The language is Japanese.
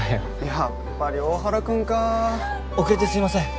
やっぱり大原君か遅れてすいません